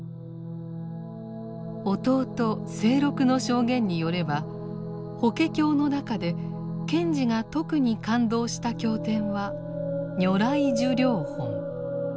弟清六の証言によれば法華経の中で賢治が特に感動した経典は「如来寿量品」。